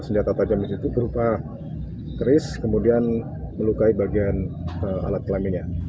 as menangkap korban menjelaskan bahwa korban menjelaskan bahwa korban menjelaskan bahwa